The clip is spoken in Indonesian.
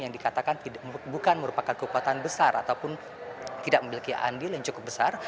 yang dikatakan bukan merupakan kekuatan besar ataupun tidak memiliki andil yang cukup besar